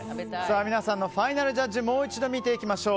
皆さんのファイナルジャッジもう一度見ていきましょう。